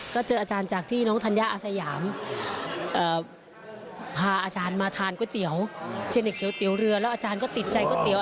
ก็เจออาจารย์จากที่น้องธัญญาอาสยามพาอาจารย์มาทานก๋วยเตี๋ยวเช่นไอเตี๋ยวเรือแล้วอาจารย์ก็ติดใจก๋วเตี๋ย